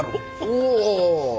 おお！